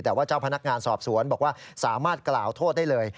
แต่ว่าเจ้าพนักงานสอบสวนบอกว่าสามารถกล่าวโทษได้เลย